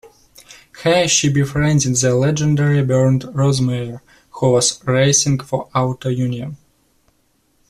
Here she befriended the legendary Bernd Rosemeyer, who was racing for Auto Union.